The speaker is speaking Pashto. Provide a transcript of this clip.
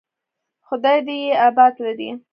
خداى دې يې اباد لري.